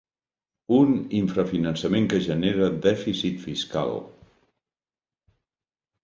Un infrafinançament que genera dèficit fiscal.